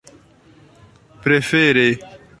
prefere